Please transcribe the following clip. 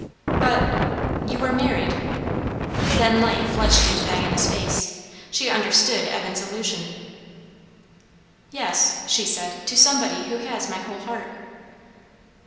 "But you are married" Then light flushed into Diana's face. She understood Evan's allusion. "Yes," she said, "to somebody who has my whole heart."